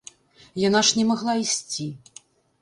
Яна ж не магла ісці.